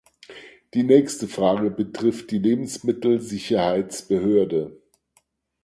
Die nächste Frage betrifft die Lebensmittelsicherheitsbehörde.